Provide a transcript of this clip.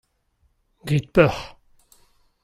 grit peoc'h.